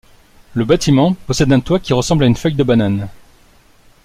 Le bâtiment possède un toit qui ressemble à une feuille de banane.